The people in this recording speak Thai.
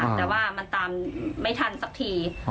แต่ว่ามันตามไม่ทันสักที